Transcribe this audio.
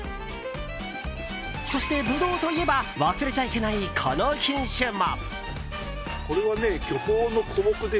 そしてブドウといえば忘れちゃいけない、この品種も。